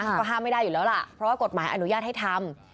ก็ห้ามไม่ได้อยู่แล้วล่ะเพราะว่ากฎหมายอนุญาตให้ทำ